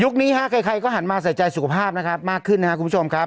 ยุคนี้ครับใครก็หันมาใส่ใจสุขภาพนะคะมากขึ้นคุณผู้ชมค่ะ